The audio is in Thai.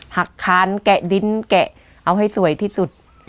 หักคานแกะดินแกะเอาให้สวยที่สุด